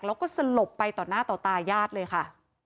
แล้วก็สลบไปต่อหน้าต่อตาญาติเลยค่ะ